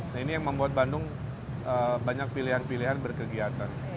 nah ini yang membuat bandung banyak pilihan pilihan berkegiatan